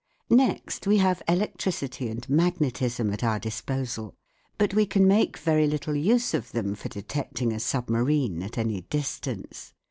Next we have electricity and magnetism at our disposal. But we can make very little use of them for detecting a submarine at any distance.